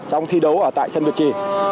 trong thi đấu ở tại sân việt trì